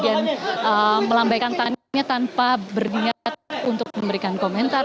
saya hanya kemudian melambaikan tanya tanya tanpa berdengar untuk memberikan komentar